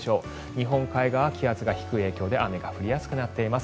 日本海側は気圧の低い影響で雨が降りやすくなっています。